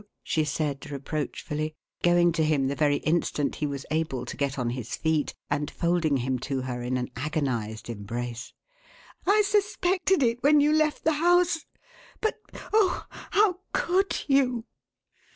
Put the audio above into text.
she said reproachfully, going to him the very instant he was able to get on his feet, and folding him to her in an agonized embrace. "I suspected it when you left the house but, oh, how could you?"